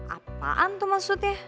apaan tuh maksudnya